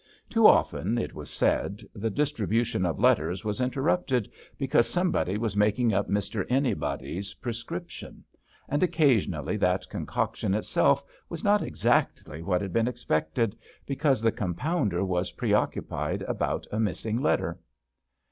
Too often, it was said, the dis tribution of letters was interrupted because somebody was making up Mr. Anybody's prescription ; and occasionally that concoction itself was not exactly what had been expected because the compounder was preoccupied about a missing letter.